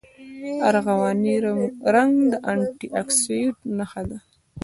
ارغواني رنګ د انټي اکسیډنټ نښه ده.